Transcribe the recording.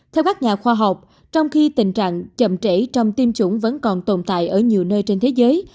theo các nhà khoa học trong khi tình trạng chậm trễ trong tiêm chủng vẫn còn tồn tại ở nhiều nơi trên thế giới